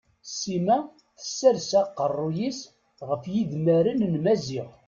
Sima tessers aqerruy-is ɣef yidmaren n Maziɣ.